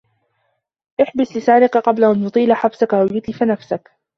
احْبِسْ لِسَانَك قَبْلَ أَنْ يُطِيلَ حَبْسَك أَوْ يُتْلِفَ نَفْسَك